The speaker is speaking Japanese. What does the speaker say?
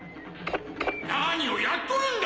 何をやっとるんだ！